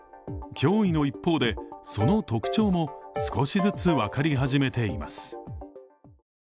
脅威の一方で、その特徴も少しずつ分かり始めています。